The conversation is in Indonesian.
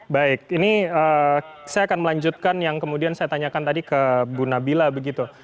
baik ini saya akan melanjutkan yang kemudian saya tanyakan tadi ke bu nabila begitu